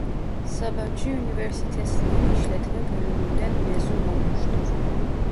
Sabancı Üniversitesi'nin İşletme bölümünden mezun olmuştur.